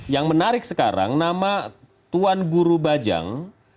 yang menarik sekarang nama tuan guru bajang